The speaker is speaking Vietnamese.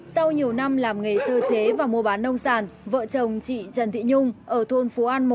sau nhiều năm làm nghề sơ chế và mua bán nông sản vợ chồng chị trần thị nhung ở thôn phú an một